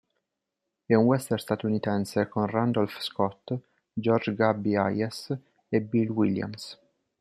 È un western statunitense con Randolph Scott, George 'Gabby' Hayes e Bill Williams.